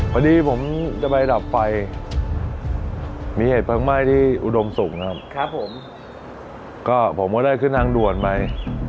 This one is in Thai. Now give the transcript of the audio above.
พอดีผมจะไปดับไฟมีเหตุเพลิงไหม้ที่อุดมศุกร์นะครับครับผมก็ได้ขึ้นทางด่วนไป